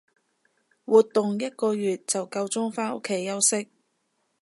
活動一個月就夠鐘返屋企休息